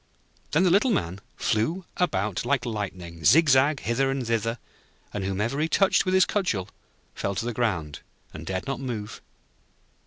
Then the Little Man flew about like lightning, zig zag, hither and thither, and whomever he touched with his cudgel fell to the ground, and dared not move.